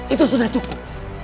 itu sudah cukup